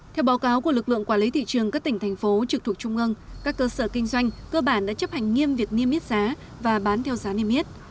theo báo cáo của lực lượng quản lý thị trường các tỉnh thành phố trực thuộc trung ương các cơ sở kinh doanh cơ bản đã chấp hành nghiêm việc niêm yết giá và bán theo giá niêm yết